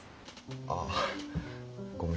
ああごめん。